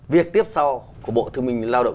việc tiếp sau của bộ thương binh lao động